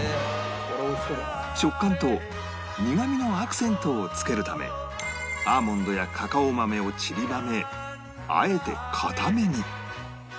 食感と苦みのアクセントをつけるためアーモンドやカカオ豆をちりばめあえて硬めに